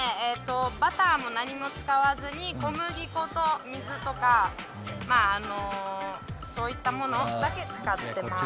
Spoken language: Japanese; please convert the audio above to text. バターも何も使わずに小麦粉と水とかそういったものだけ使ってます。